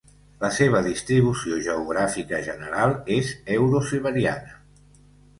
La seva distribució geogràfica general és eurosiberiana.